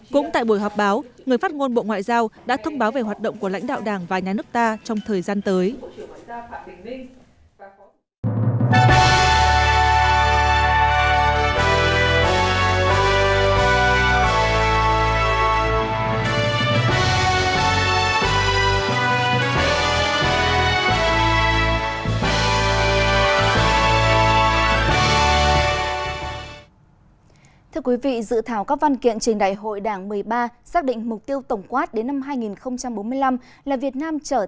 cũng tại buổi họp báo người phát ngôn bộ ngoại giao đã thông báo về hoạt động của lãnh đạo đảng và nhà nước ta trong thời gian tới